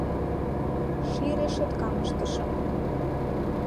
Ший решоткам ыштышым.